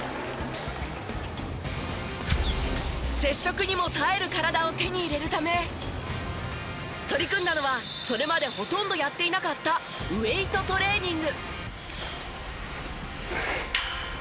接触にも耐える体を手に入れるため取り組んだのはそれまでほとんどやっていなかったウエイトトレーニング。